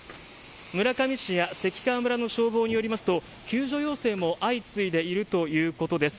村上市や関川村の消防によりますと救助要請も相次いでいるということです。